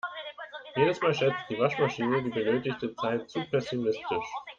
Jedes Mal schätzt die Waschmaschine die benötigte Zeit zu pessimistisch.